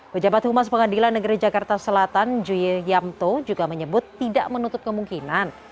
pejabat humas pengadilan negeri jakarta selatan juye yamto juga menyebut tidak menutup kemungkinan